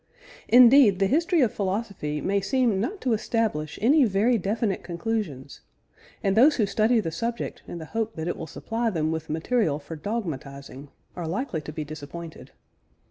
Indeed, the history of philosophy may seem not to establish any very definite conclusions; and those who study the subject in the hope that it will supply them with material for dogmatising are likely to be disappointed.